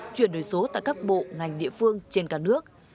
chuyển đổi số tại các bộ ngành địa phương trên cả nước